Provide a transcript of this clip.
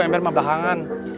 ember mah belakangan